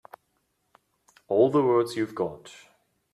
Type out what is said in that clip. All the words you've got.